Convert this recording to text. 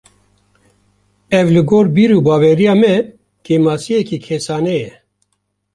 Ev li gor bîr û baweriya me, kêmasiyek kesane ye